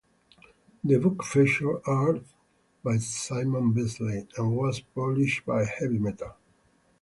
The book featured art by Simon Bisley and was published by Heavy Metal.